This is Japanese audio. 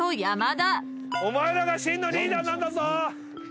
お前らが真のリーダーなんだぞ！